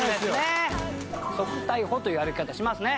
側対歩という歩き方しますね。